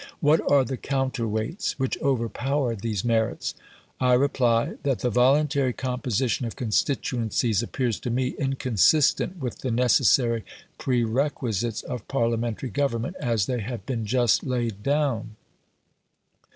What are the counterweights which overpower these merits? I reply that the voluntary composition of constituencies appears to me inconsistent with the necessary prerequisites of Parliamentary government as they have been just laid down.